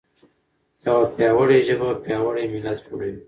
یوه پیاوړې ژبه پیاوړی ملت جوړوي.